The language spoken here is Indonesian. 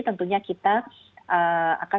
tentunya kita akan